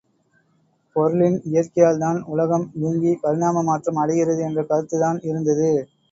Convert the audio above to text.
பொருளின் இயற்கையால்தான் உலகம் இயங்கி பரிணாம மாற்றம் அடைகிறது என்ற கருத்துத்தான் இருந்தது.